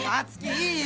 いいよ！